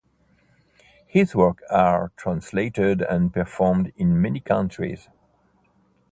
His works are translated and performed in many countries.